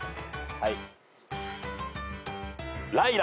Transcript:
はい。